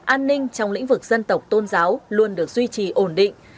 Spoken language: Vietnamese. an ninh trong lĩnh vực dân tộc tôn giáo luôn được duy trì ổn định